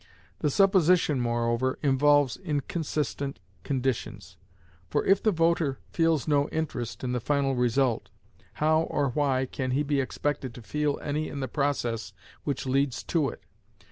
The supposition, moreover, involves inconsistent conditions; for if the voter feels no interest in the final result, how or why can he be expected to feel any in the process which leads to it?